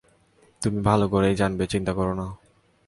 তুমি ভালোই করবে, চিন্তা কোরো না।